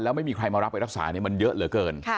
แล้วไม่มีใครมารับไปรักษามันเยอะเหลือเกิน